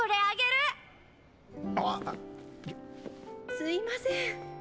すいません。